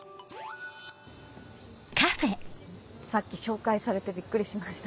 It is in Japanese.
さっき紹介されてびっくりしました。